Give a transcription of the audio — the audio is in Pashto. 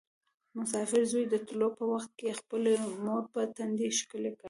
مسافر زوی د تلو په وخت کې خپلې مور په تندي ښکل کړ.